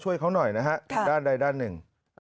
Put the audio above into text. ช่วยเขาหน่อยนะฮะด้านใดด้านหนึ่ง